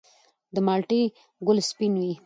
د مالټې ګل سپین وي؟